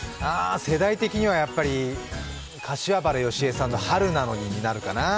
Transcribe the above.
世代的にはやっぱり柏原芳恵さんの「春なのに」になるかな。